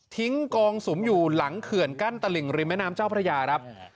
กองสุมอยู่หลังเขื่อนกั้นตลิงริมแม่น้ำเจ้าพระยาครับ